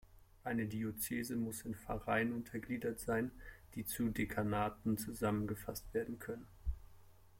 Eine Diözese muss in Pfarreien untergliedert sein, die zu Dekanaten zusammengefasst werden können.